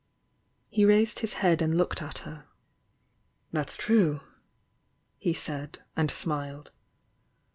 He raised his head and looked at her. "That's true!" he said, and smiled.